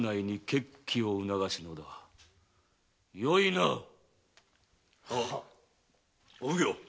よいな⁉お奉行